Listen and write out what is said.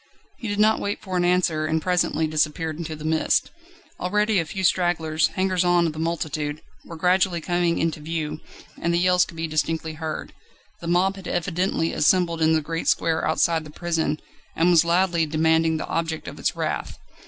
He did not wait for an answer, and presently disappeared in the mist. Already a few stragglers, hangers on of the multitude, were gradually coming into view, and the yells could be distinctly heard. The mob had evidently assembled in the great square outside the prison, and was loudly demanding the object of its wrath.